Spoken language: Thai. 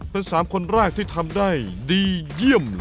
เป็น๓คนแรกที่ทำได้ดีเยี่ยม